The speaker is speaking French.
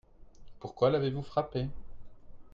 Pourquoi l'avez-vous frappé ?